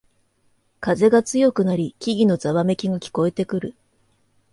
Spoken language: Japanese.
風が強くなり木々のざわめきが聞こえてくる